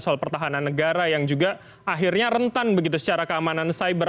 soal pertahanan negara yang juga akhirnya rentan begitu secara keamanan cyber